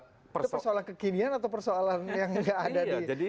itu persoalan kekinian atau persoalan yang nggak ada di